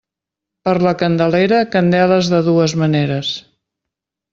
Per la Candelera, candeles de dues maneres.